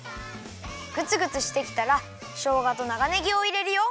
グツグツしてきたらしょうがと長ねぎをいれるよ。